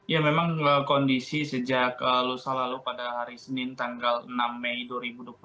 ya memang kondisi sejak lusa lalu pada hari senin tanggal enam mei dua ribu dua puluh